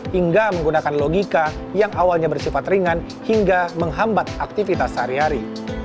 hingga menggunakan logika yang awalnya bersifat ringan hingga menghambat aktivitas sehari hari